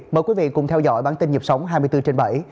mời quý vị cùng theo dõi bản tin nhịp sống hai mươi bốn trên bảy